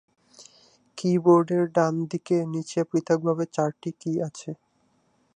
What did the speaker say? কী বোর্ডের ডান দিকে নিচে পৃথক ভাবে চারটি কী আছে।